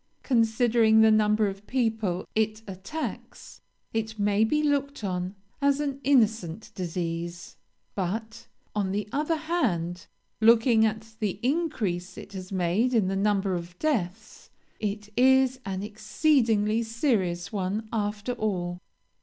Considering the number of people it attacks, it may be looked on as an innocent disease; but, on the other hand, looking at the increase it has made in the number of deaths, it is an exceedingly serious one after all.